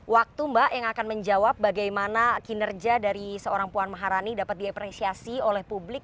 waktu mbak yang akan menjawab bagaimana kinerja dari seorang puan maharani dapat diapresiasi oleh publik